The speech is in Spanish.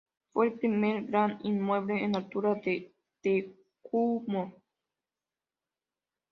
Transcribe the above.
Fue el primer gran inmueble en altura de Temuco.